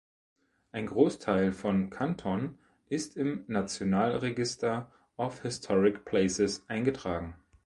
Ein Großteil von Canton ist im National Register of Historic Places eingetragen.